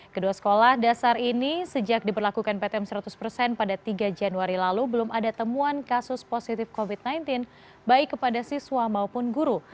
kedua sekolah dasar ini sejak diperlakukan ptm seratus persen pada tiga januari lalu belum ada temuan kasus positif covid sembilan belas baik kepada siswa maupun guru